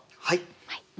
はい。